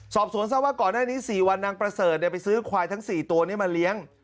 สอบสวนทราบว่าก่อนหน้านี้๔วันนางประเสริฐไปซื้อควายทั้ง๔ตัวนี้มาเลี้ยง